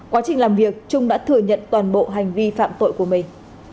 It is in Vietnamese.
quá trình làm việc trung đã thừa nhận toàn bộ hành vi phạm tội của mình